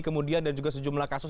kemudian dan juga sejumlah kasus